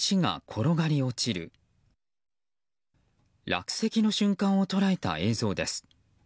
落石の瞬間を捉えた映像です。